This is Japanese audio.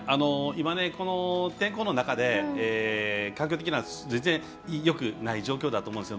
この天候の中で環境的には全然よくない状況だと思うんですよ。